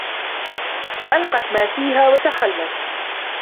وَأَلقَت ما فيها وَتَخَلَّت